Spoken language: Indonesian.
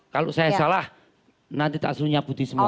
kalau saya salah nanti tak selalu nyabuti semua